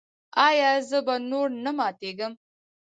ایا زه به نور نه ماتیږم؟